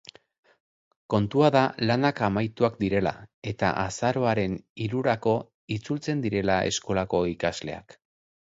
Kontua da lanak amaituak direla, eta azaroaren hirurako itzultzen direla eskolako ikasleak.